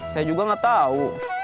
saya juga gak tau